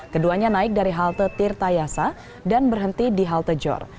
keduanya naik dari halte tirta yasa dan berhenti di halte jor